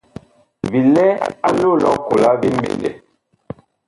Bi lɛ a loo lʼ ɔkola vi mɓendɛ.